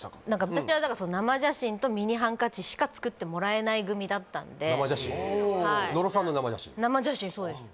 私は生写真とミニハンカチしか作ってもらえない組だったんで生写真野呂さんの生写真生写真そうです